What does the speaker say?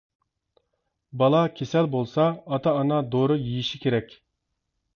بالا «كېسەل» بولسا، ئاتا-ئانا «دورا» يېيىشى كېرەك.